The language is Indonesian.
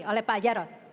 oleh pak jarod